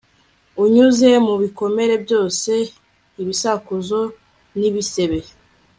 unyuze mu bikomere byose, ibisakuzo nibisebe